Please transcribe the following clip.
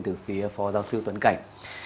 từ phía phó giáo sư tuấn cảnh